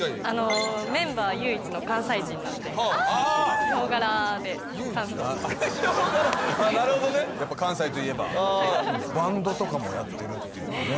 メンバー唯一の関西人なんでヒョウ柄でヒョウ柄あっなるほどねやっぱ関西といえばバンドとかもやってるっていうね